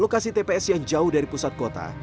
lokasi tps yang jauh dari pusat kota